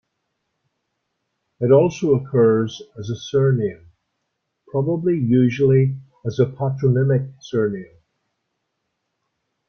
It also occurs as a surname, probably usually as a patronymic surname.